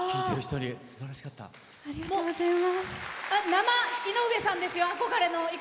生井上さんですよ、憧れの。